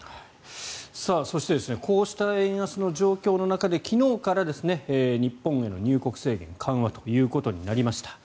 そしてこうした円安の状況の中で昨日から日本への入国制限緩和ということになりました。